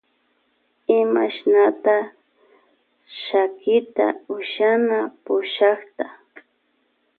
Imashnata shakiyta ushana pushakta.